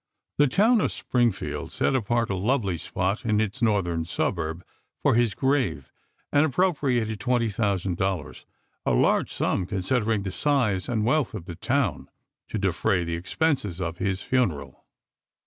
The town of Springfield set apart a lovely spot in its northern suburb for his grave and appropriated $20,000 — a large sum con sidering the size and wealth of the town — to defray the expenses of his funeral.